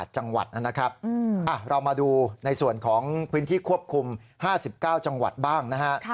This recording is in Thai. จังหวัดนะครับเรามาดูในส่วนของพื้นที่ควบคุม๕๙จังหวัดบ้างนะฮะ